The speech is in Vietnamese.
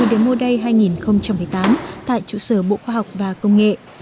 năm hai nghìn một mươi tám tại chủ sở bộ khoa học và công nghệ